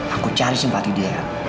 aku cari simpati dia